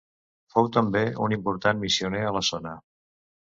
Fou també un important missioner en la zona.